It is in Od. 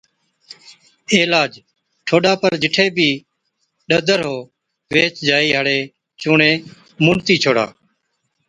عِلاج، ٺوڏا پر جِٺي بِي ڏَدر هُوَِ ويهچ جائِي هاڙِي چُونڻي مُونڏتِي ڇوڙا